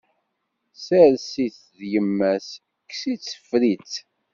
Sser-is d yemma-s, kkes-itt, ffer-itt!